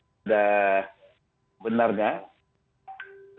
sudah benar nggak